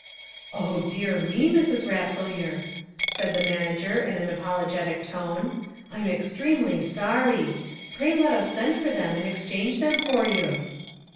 "Oh, dear me, Mrs. Rasselyer," said the manager in an apologetic tone, "I'm extremely sorry. Pray let us send for them and exchange them for you."